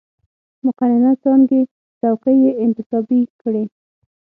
مقننه څانګې څوکۍ یې انتصابي کړې.